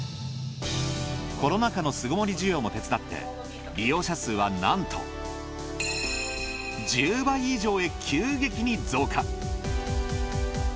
コロナ禍の巣ごもり需要も手伝って利用者数はなんと１０倍以上へ急激に増加。